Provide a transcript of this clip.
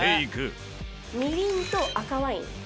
「みりんと赤ワイン